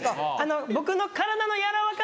僕の。